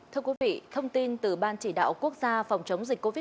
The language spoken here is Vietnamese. thưa quý vị thông tin từ ban chỉ đạo quốc gia phòng chống dịch covid một mươi chín